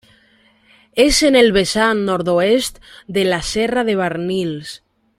És en el vessant nord-oest de la Serra de Barnils.